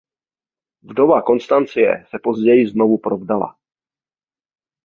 Vdova Konstancie se později znovu provdala.